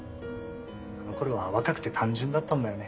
あの頃は若くて単純だったんだよね。